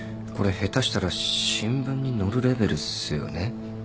これ下手したら新聞に載るレベルっすよね。